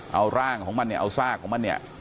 เอาร่างของมันเนี่ยเอาซากของมันเนี่ย